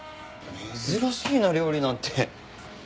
珍しいな料理なんて。